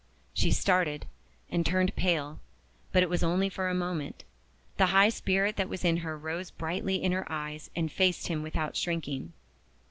She started, and turned pale but it was only for a moment. The high spirit that was in her rose brightly in her eyes, and faced him without shrinking.